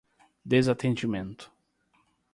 desatendimento